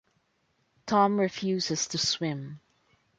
Tom refuses to swim.